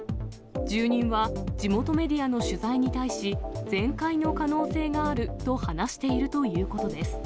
住人は地元メディアの取材に対し、全壊の可能性があると話しているということです。